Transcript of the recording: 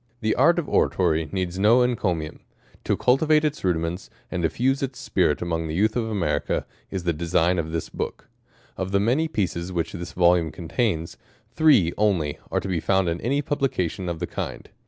The art of Oratory needs no encomium. To cultivate its rudiments, and diffuse its spirit among the Youth of America, is the design of this Book. Of tha many pieces which this volume contains, three only are to be found in any publication of the kind.